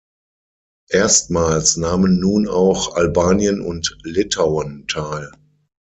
Erstmals nahmen nun auch Albanien und Litauen teil.